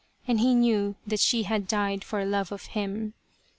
And he knew that she had died for love of him.